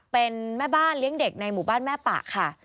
เป็นแม่บ้านเลี้ยงเด็กในหมู่บ้านแม่ปะค่ะ